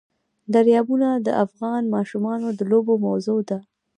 دریابونه د افغان ماشومانو د لوبو موضوع ده.